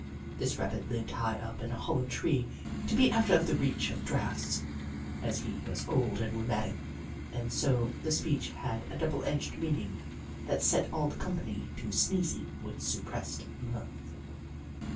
This Rabbit lived high up in a hollow tree to Jenny Ragtail 191 be out of the reach of draughts, as he was old and rheumatic, and so the speech had a double edged meaning that set all the company to sneezing with suppressed mirth.